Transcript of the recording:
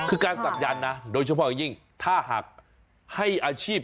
คือการศักดันนะโดยเฉพาะอย่างยิ่งถ้าหากให้อาชีพ